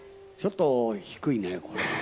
ちょっと低いねこれ。